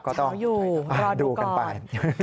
เช้าอยู่รอดูก่อน